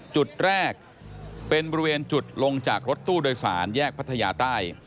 จุดแรกเป็นบริเวณจุดลงจากรถตู้โดยสารแยกพัทยาใต้